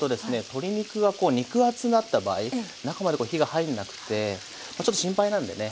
鶏肉がこう肉厚だった場合中までこう火が入んなくてちょっと心配なんでね